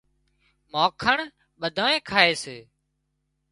مانکڻ ٻڌانئين کائي سي